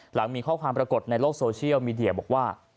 หลังมีข้อความปรากฏในโลกโซเชียลมีเดียบอกว่า